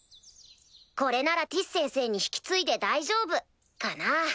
これならティス先生に引き継いで大丈夫かな。